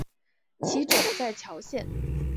其冢在谯县。